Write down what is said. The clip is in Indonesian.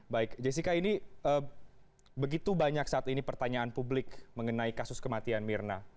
baik jessica ini begitu banyak saat ini pertanyaan publik mengenai kasus kematian mirna